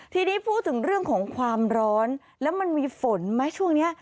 ทีนี้พูดถึงเรื่องของความร้อนแล้วมันมีฝนไหมช่วงนี้